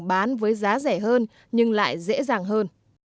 bán với giá rẻ hơn nhưng lại dễ dàng hơn